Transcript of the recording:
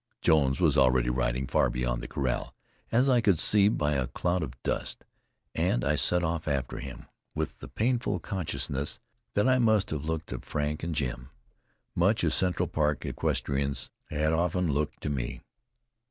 Jones was already riding far beyond the corral, as I could see by a cloud of dust; and I set off after him, with the painful consciousness that I must have looked to Frank and Jim much as Central Park equestrians had often looked to me.